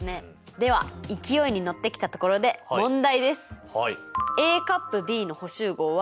では勢いに乗ってきたところで問題です。